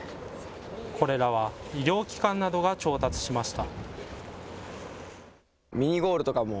これらは医療機関などが調達しました。